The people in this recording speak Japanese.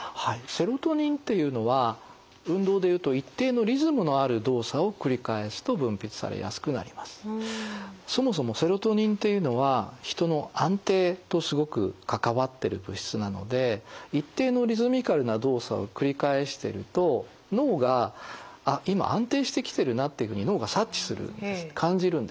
セロトニンというのは運動でいうとそもそもセロトニンというのは人の安定とすごく関わってる物質なので一定のリズミカルな動作を繰り返してると脳が「あっ今安定してきてるな」っていうふうに脳が察知するんです感じるんですね。